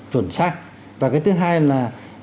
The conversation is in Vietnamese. chuẩn xác và cái thứ hai là